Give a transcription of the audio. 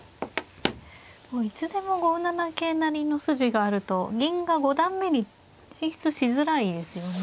いつでも５七桂成の筋があると銀が五段目に進出しづらいですよね。